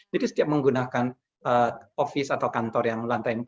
jadi setiap menggunakan ofis atau kantor yang lantai empat